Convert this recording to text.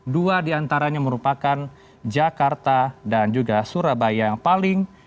dua diantaranya merupakan jakarta dan juga surabaya yang paling